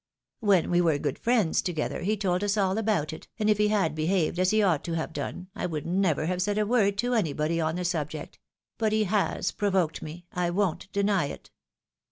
When we were good friends, together, he told us all about it, and if he had behaved as he ought to have done, I would never have said a word to anybody on the subject — but he has pro voked me, I won't deny it."